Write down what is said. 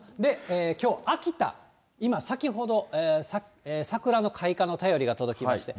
きょう、秋田、今、先ほど桜の開花の便りが届きまして。